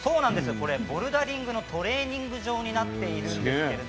これボルダリングのトレーニング場になっているんです。